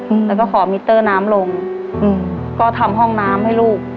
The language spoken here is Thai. อืมแล้วก็ขอมิเตอร์น้ำลงอืมก็ทำห้องน้ำให้ลูก